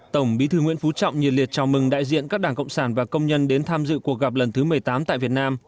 tổng bí thư nguyễn phú trọng nhiệt liệt chào mừng đại diện các đảng cộng sản và công nhân đến tham dự cuộc gặp lần thứ một mươi tám tại việt nam